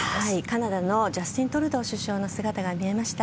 カナダのジャスティン・トルドー首相の姿が見えました。